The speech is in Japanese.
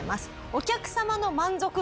お客様の満足度。